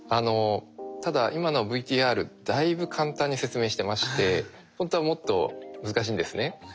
ただ今のＶＴＲだいぶ簡単に説明してましてほんとはもっと難しいんですね。